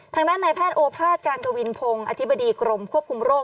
ทางด้านในแพทย์โอภาษการกวินพงศ์อธิบดีกรมควบคุมโรค